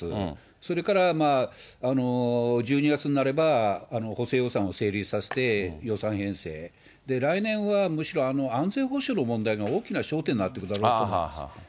それから１２月になれば、補正予算を成立させて、予算編成、来年はむしろ安全保障の問題が大きな焦点になってくるだろうと思います。